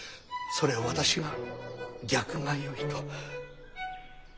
それを私が逆がよいと。